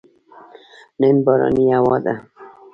نن بارانې هوا ده